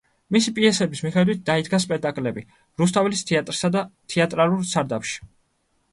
მისი პიესების მიხედვით დაიდგა სპექტაკლები რუსთაველის თეატრსა და თეატრალურ სარდაფში.